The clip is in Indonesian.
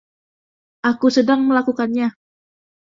Aku sedang melakukannya!